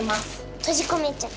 とじこめちゃう。